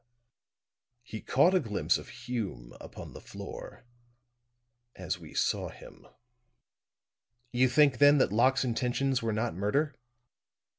"He caught a glimpse of Hume upon the floor as we saw him." "You think, then, that Locke's intentions were not murder?"